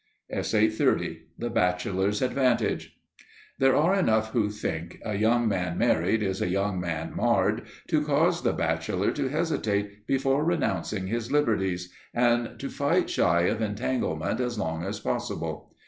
*The Bachelor's Advantage* There are enough who think "a young man married is a young man marred" to cause the bachelor to hesitate before renouncing his liberties, and to fight shy of entanglement as long as possible.